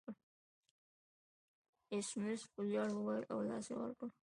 ایس میکس په ویاړ وویل او لاس یې ور کړ